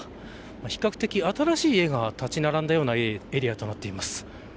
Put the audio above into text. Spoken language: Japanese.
比較的、新しい家が建ち並んだエリアとなっています。